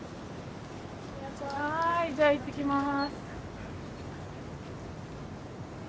はいじゃあいってきます。